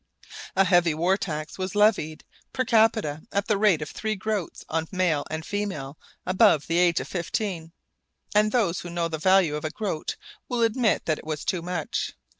A heavy war tax was levied per capita at the rate of three groats on male and female above the age of fifteen, and those who know the value of a groat will admit that it was too much.